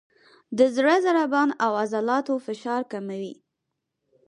د زړه ضربان او عضلاتو فشار کموي،